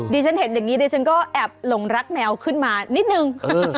ฉันเห็นอย่างนี้ดิฉันก็แอบหลงรักแมวขึ้นมานิดนึง